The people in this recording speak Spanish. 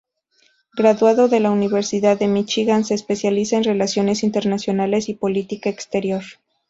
Graduado de la Universidad de Míchigan, se especializa en relaciones internacionales y política exterior.